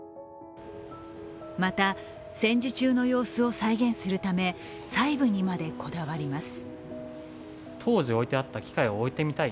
また、戦時中の様子を再現するため細部にまでこだわります。